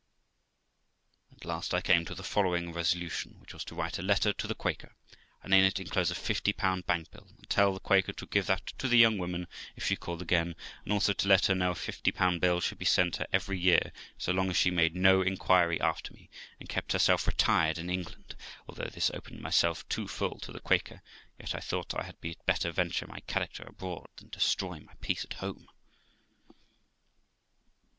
At last I came to the following resolution, which was to write a letter to the Quaker, and in it enclose a fifty pound bank bill, and tell the Quaker, to give that to the young woman if she called again, and also to let her know a fifty pound bill should be sent her every year, so long as she made no inquiry after me, and kept herself retired in England. Although this opened myself too full to the Quaker, yet I thought I had better venture my character abroad, than destroy my peace at home.